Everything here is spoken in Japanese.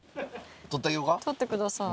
撮ってください。